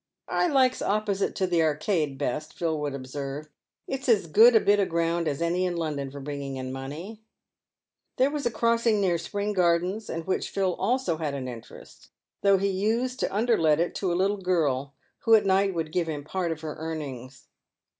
" I likes opposite to the Arcade best," Phil would observe, "it's as good a bit o' ground as any in London for bringing in money." There was a crossing near Spring Gardens, in which Phil also had an interest, though he used to underlet it to a little girl, who at night would give him part of her earnings.